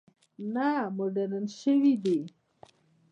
نه مډرن شوي دي.